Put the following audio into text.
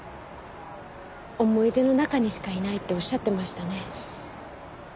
思い出の中にしかいないっておっしゃってましたね。